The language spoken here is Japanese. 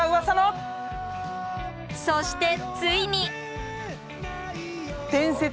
そしてついに！